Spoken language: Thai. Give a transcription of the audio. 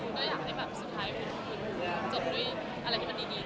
ก็อยากให้สุดท้ายคุณลุกหุ้นจดด้วยอะไรที่มันดีจริง